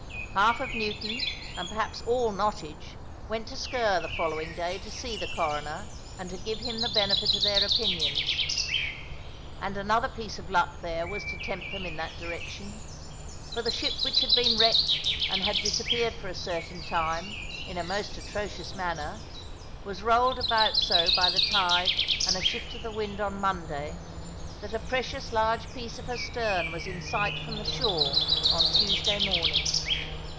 Half of Newton, and perhaps all Nottage, went to Sker the following day to see the Coroner, and to give him the benefit of their opinions. And another piece of luck there was to tempt them in that direction. For the ship which had been wrecked and had disappeared for a certain time, in a most atrocious manner, was rolled about so by the tide and a shift of the wind on Monday, that a precious large piece of her stern was in sight from the shore on Tuesday morning.